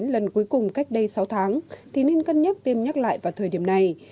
lần cuối cùng cách đây sáu tháng thì nên cân nhắc tiêm nhắc lại vào thời điểm này